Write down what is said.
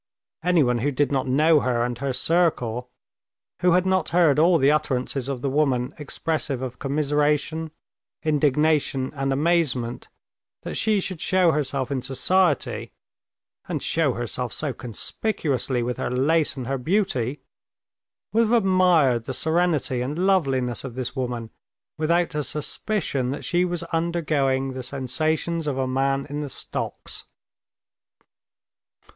Anyone who did not know her and her circle, who had not heard all the utterances of the women expressive of commiseration, indignation, and amazement, that she should show herself in society, and show herself so conspicuously with her lace and her beauty, would have admired the serenity and loveliness of this woman without a suspicion that she was undergoing the sensations of a man in the stocks.